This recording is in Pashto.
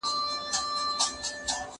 زه به د کتابتوننۍ سره مرسته کړې وي!!